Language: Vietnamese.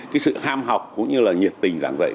cái sự ham học cũng như là nhiệt tình giảng dạy